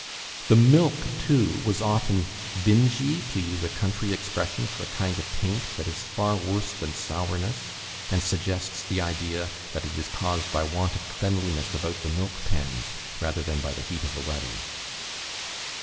The milk, too, was often "bingy," to use a country expression for a kind of taint that is far worse than sourness, and suggests the idea that it is caused by want of cleanliness about the milk pans, rather than by the heat of the weather.